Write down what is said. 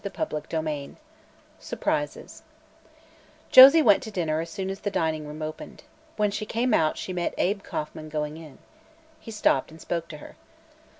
CHAPTER XXI SURPRISES Josie went to dinner as soon as the dining room opened. When she came out she met Abe Kauffman going in. He stopped and spoke to her.